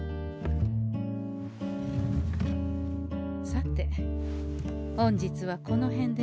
さて本日はこの辺で店じまい。